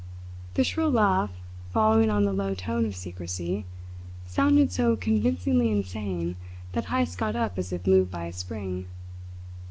The shrill laugh, following on the low tone of secrecy, sounded so convincingly insane that Heyst got up as if moved by a spring.